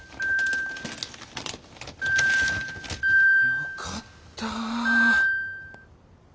よかった。